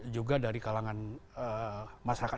juga dari kalangan masyarakat